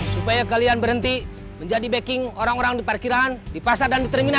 supaya kalian berhenti menjadi backing orang orang di parkiran di pasar dan di terminal